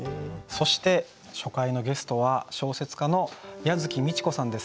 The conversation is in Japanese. そして初回のゲストは小説家の椰月美智子さんです。